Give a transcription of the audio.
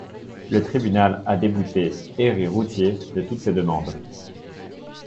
Le tribunal a débouté Airy Routier de toutes ses demandes.